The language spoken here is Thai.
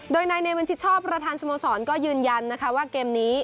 โดย๙๑๑ชิดชอบประธานสโมสรก็ยืนยันว่าเกมนี้